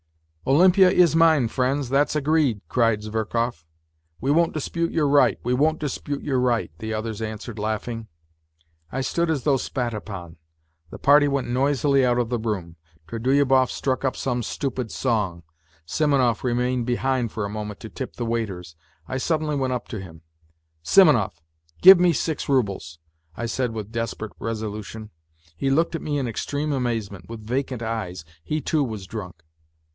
" Olympia is mine, friends, that's agreed !" cried Zverkov. " We won't dispute your right, we won't dispute your right," the others answered, laughing. I stood as though spat upon. The party went noisily out of the room. Trudolyubov struck up some stupid song. Simonov remained behind for a moment to tip the waiters. I suddenly went up to him. " Simonov ! give me six roubles !" I said, with desperate resolution. He looked at me in extreme amazement, with vacant eyes. He, too, was drunk.